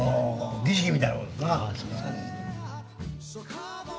儀式みたいなものですな。